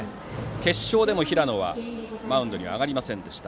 決勝でも平野はマウンドには上がりませんでした。